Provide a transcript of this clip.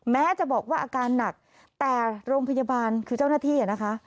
แม้จะบอกว่าอาการหนักแต่โรงพยาบาลคือเจ้าหน้าที่นะคะ